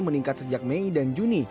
meningkat sejak mei dan juni